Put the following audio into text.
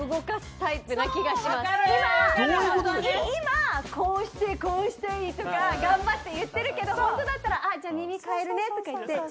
今こうしてこうしたいとか頑張って言ってるけどホントだったらあじゃあ耳かえるねとか言って。